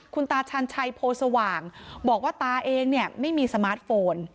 คุณตาชาญชัยโพสว่างบอกว่าตาเองเนี่ยไม่มีสมาร์ทโฟน